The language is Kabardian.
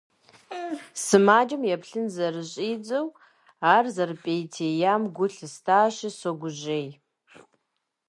Сымаджэм еплъын зэрыщӀидзэу, ар зэрыпӀейтеям гу лъыстащи, согужьей.